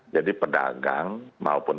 jadi pedagang maupun